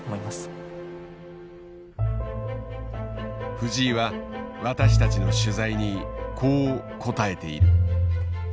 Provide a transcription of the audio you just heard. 藤井は私たちの取材にこう答えている。